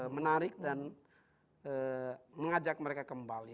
menarik dan mengajak mereka kembali